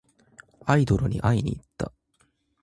アイドルに会いにいった。